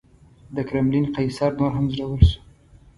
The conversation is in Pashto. د کرملین قیصر نور هم زړور شو.